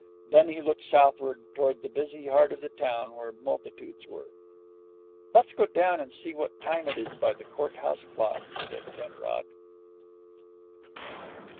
Then he looked southward toward the busy heart of the town, where multitudes were. "Let's go down and see what time it is by the court house clock," said Penrod.